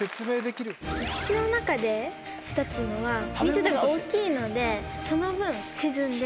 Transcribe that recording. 土の中で育つのは密度が大きいのでその分沈んで。